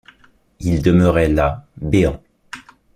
Il demeurait là, béant.